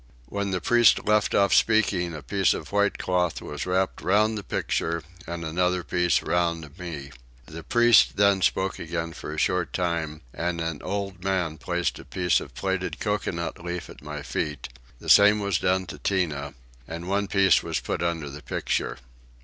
When the priest left off speaking a piece of white cloth was wrapped round the picture and another piece round me. The priest then spoke again for a short time, and an old man placed a piece of plaited coconut leaf at my feet; the same was done to Tinah, and one piece was put under the picture.